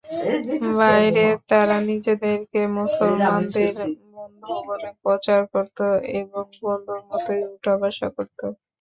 বাইরে তারা নিজেদেরকে মুসলমানদের বন্ধু বলে প্রচার করত এবং বন্ধুর মতই উঠা-বসা করত।